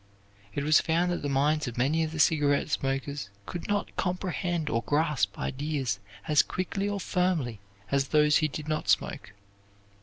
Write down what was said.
It was found that the minds of many of the cigarette smokers could not comprehend or grasp ideas as quickly or firmly as those who did not smoke.